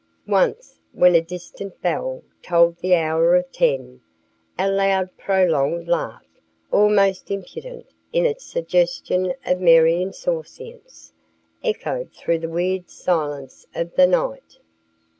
Once when a distant bell tolled the hour of ten a loud prolonged laugh, almost impudent in its suggestion of merry insouciance, echoed through the weird silence of the night.